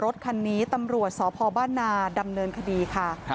รถคันนี้ตำรวจสพบ้านนาดำเนินคดีค่ะ